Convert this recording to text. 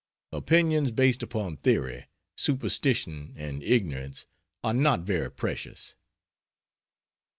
Opinions based upon theory, superstition and ignorance are not very precious.